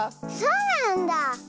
そうなんだ。